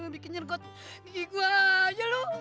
bikin nyergot gigi gua aja lu